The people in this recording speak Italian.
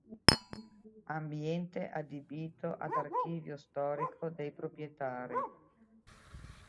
Ambiente adibito ad archivio storico dei proprietari.